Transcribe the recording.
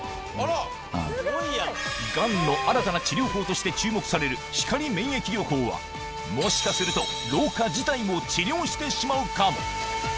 として注目される光免疫療法はもしかすると老化自体も治療してしまうかも？